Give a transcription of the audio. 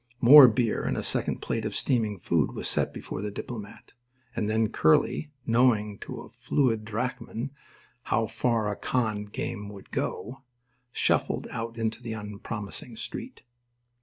More beer and a second plate of steaming food was set before the diplomat. And then Curly, knowing to a fluid drachm how far a "con" game would go, shuffled out into the unpromising street.